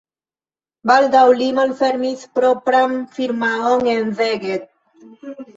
Baldaŭ li malfermis propran firmaon en Szeged.